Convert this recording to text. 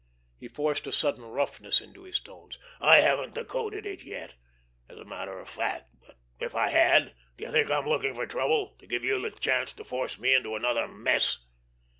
He forced a sudden roughness into his tones. "I haven't decoded it yet, as a matter of fact; but if I had, do you think I'm looking for trouble—to give you the chance to force me into another mess?"